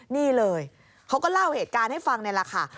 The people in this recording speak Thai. นี่เลยเขาก็เล่าเหตุการณ์ให้ฟังนี่แหละค่ะ